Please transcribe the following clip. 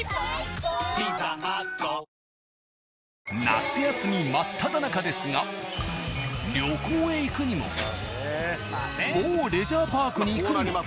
夏休み真っただ中ですが旅行へ行くにも某レジャーパークに行くにも。